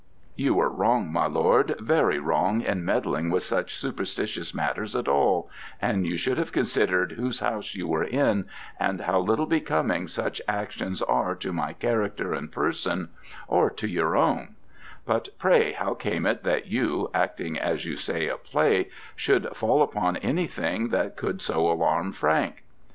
"You were wrong, my lord, very wrong, in meddling with such superstitious matters at all, and you should have considered whose house you were in, and how little becoming such actions are to my character and person or to your own: but pray how came it that you, acting, as you say, a play, should fall upon anything that could so alarm Frank?"